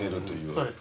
そうです。